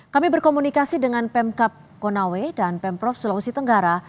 kami berkomunikasi dengan pemkap konawe dan pemprov sulawesi tenggara